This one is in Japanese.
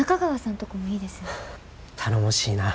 頼もしいな。